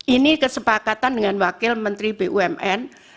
ini kesepakatan dengan wakil menteri bumn